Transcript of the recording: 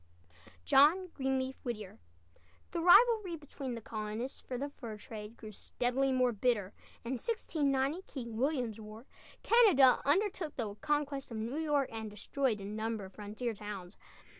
JOHN GREENLEAF WHITTIER. The rivalry between the colonists for the fur trade grew steadily more bitter, and in 1690 (King William's War) Canada undertook the conquest of New York and destroyed a number of frontier towns.